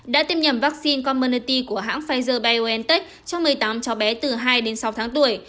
đã tiêm nhầm vaccine commernoty của hãng pfizer biontech cho một mươi tám cháu bé từ hai đến sáu tháng tuổi